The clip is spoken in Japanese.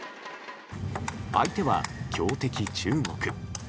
相手は強敵・中国。